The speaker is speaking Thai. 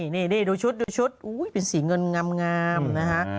นี่ดูชุดดูชุดเป็นสีเงินงามนะคะ